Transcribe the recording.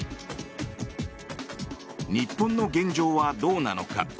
日本の現状はどうなのか。